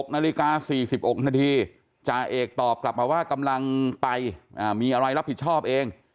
๖นาฬิกา๔๖นาทีจ่าเอกตอบกลับมาว่ากำลังไปมีอะไรรับผิดชอบเอง